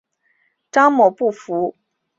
张某不服提起诉愿。